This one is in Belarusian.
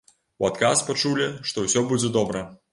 У адказ пачулі, што ўсё будзе добра.